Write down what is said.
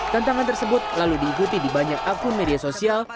tantangan tersebut lalu diikuti di banyak akun media sosial